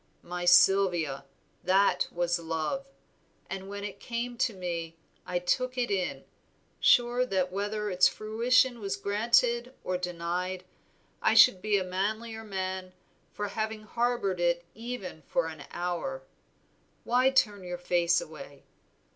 My Sylvia, that was love, and when it came to me I took it in, sure that whether its fruition was granted or denied I should be a manlier man for having harbored it even for an hour. Why turn your face away?